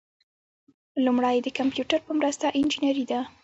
لومړی د کمپیوټر په مرسته انجنیری ده.